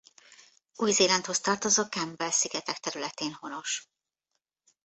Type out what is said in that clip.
Új-Zélandhoz tartozó Campbell-szigetek területén honos.